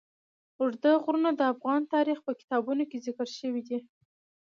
اوږده غرونه د افغان تاریخ په کتابونو کې ذکر شوی دي.